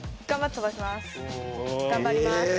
頑張ります。